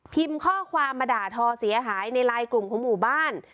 ข้อความมาด่าทอเสียหายในไลน์กลุ่มของหมู่บ้าน